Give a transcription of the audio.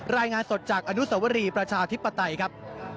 รายงานสดจากอนุสวรีประชาธิปไตยครับ